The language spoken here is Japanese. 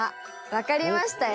わかりましたよ」